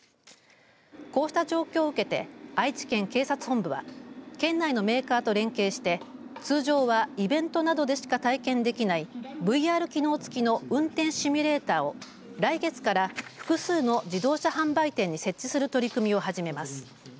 こうした状況を受けて愛知県警察本部は県内のメーカーと連携して通常はイベントなどでしか体験できないＶＲ機能付きの運転シミュレーターを来月から複数の自動車販売店に設置する取り組みを始めます。